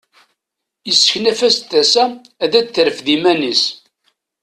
Yesseknaf-as-d tasa ad d-terfed iman-is.